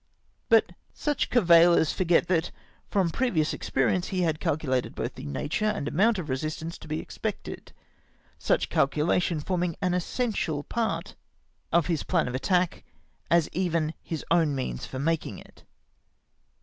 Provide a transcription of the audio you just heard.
But such cavillers for get that, from previous experience, he had calculated both the nature and amount of resistance to be expected; such calculation forming as essential a part of his plan of attack as even his own means for maldng it.